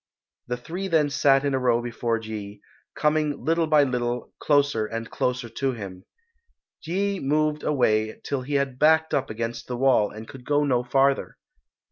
The three then sat in a row before Yee, coming little by little closer and closer to him. Yee moved away till he had backed up against the wall and could go no farther.